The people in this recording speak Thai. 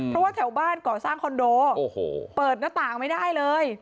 เพราะว่าแถวบ้านก่อสร้างคอนโดเปิดหน้าต่างไม่ได้เลย